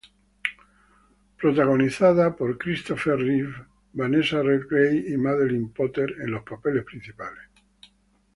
Protagonizada por Christopher Reeve, Vanessa Redgrave y Madeleine Potter en los papeles principales.